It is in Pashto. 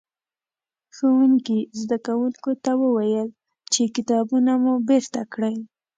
ښوونکي؛ زدکوونکو ته وويل چې کتابونه مو بېرته کړئ.